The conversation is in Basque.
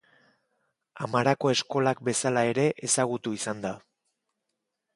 Amarako eskolak bezala ere ezagutu izan da.